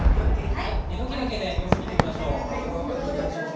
えのきだけの様子見てみましょう。